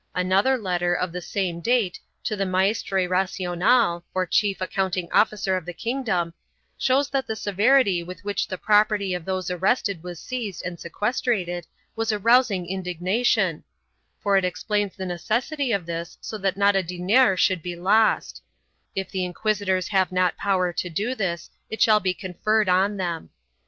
Another letter of the same date to the Maestre Racional, or chief accounting officer of the kingdom, shows that the severity with which the property of those arrested was seized and sequestrated was arousing indignation, for it explains the necessity of this so that not a diner shall be lost ; if the inquisitors have not power to do this, it shall be conferred on them.